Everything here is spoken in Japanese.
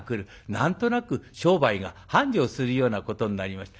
何となく商売が繁盛するようなことになりました。